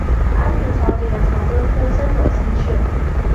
安平桥底的桥墩分三种形式。